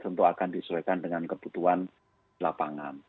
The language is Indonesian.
tentu akan disesuaikan dengan kebutuhan di lapangan